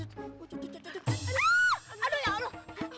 aduh ya allah